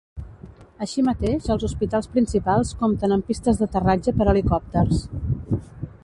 Així mateix els hospitals principals compten amb pistes d'aterratge per helicòpters.